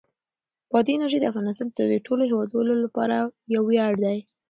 بادي انرژي د افغانستان د ټولو هیوادوالو لپاره یو ویاړ دی.